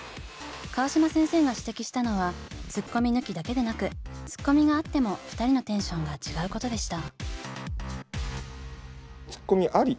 川島先生が指摘したのはツッコミ抜きだけでなくツッコミがあっても２人のテンションが違うことでした。